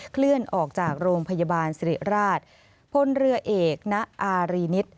เคลื่อนออกจากโรงพยาบาลสิริราชพลเรือเอกณอารีนิต